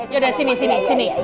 yaudah sini sini sini